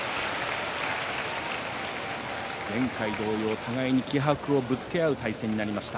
前回同様、互いに気迫をぶつけ合う対戦になりました。